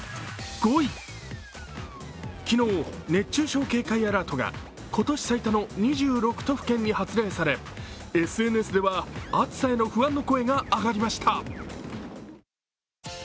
昨日、熱中症警戒アラートが今年最多の２６都府県に発令され、ＳＮＳでは暑さへの不安の声が上がりました。